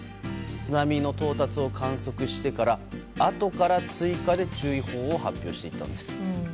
津波の到達を観測してからあとから追加で注意報を発表していったのです。